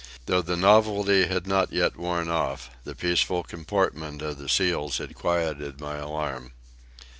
Though the novelty had not yet worn off, the peaceful comportment of the seals had quieted my alarm.